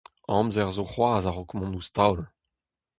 Amzer zo c'hoazh a-raok mont ouzh taol.